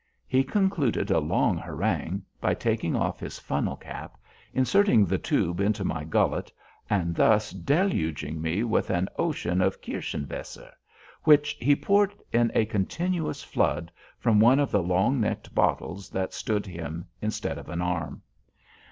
He concluded a long harangue by taking off his funnel cap, inserting the tube into my gullet, and thus deluging me with an ocean of Kirschenwässer, which he poured in a continuous flood, from one of the long necked bottles that stood him instead of an arm.